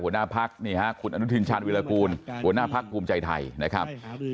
หัวหน้าพักนี่ฮะคุณอนุทินชาญวิรากูลหัวหน้าพักภูมิใจไทยนะครับ